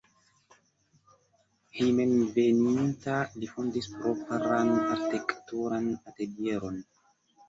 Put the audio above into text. Hejmenveninta li fondis propran arkitekturan atelieron.